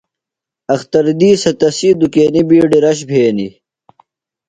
اختر دِیسہ تسی دُکینیۡ بِیڈیۡ رش بھینیۡ۔